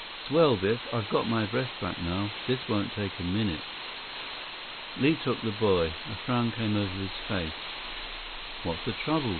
"Swell, Biff. I've got my breath back now. This won't take a minute." Li took the buoy. A frown came over his face. "What's the trouble?"